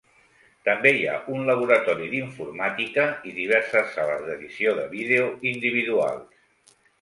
També hi ha un laboratori d'informàtica i diverses sales d'edició de vídeo individuals.